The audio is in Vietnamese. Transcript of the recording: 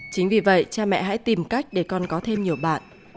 chính vì vậy cha mẹ hãy tìm cách để con có thêm nhiều bạn